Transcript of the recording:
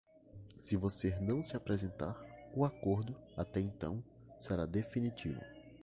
Se você não se apresentar, o acordo, até então, será definitivo.